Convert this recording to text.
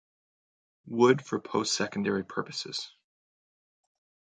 Wood for post-secondary purposes.